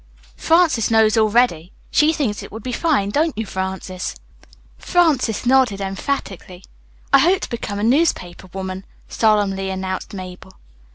"Frances knows already. She thinks it would be fine, don't you, Frances?" Frances nodded emphatically. "I hope to become a newspaper woman," solemnly announced Mabel.